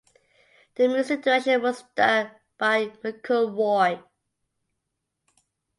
The music direction was done by Mukul Roy.